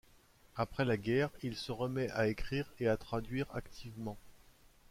Après la guerre, il se remet à écrire et à traduire activement.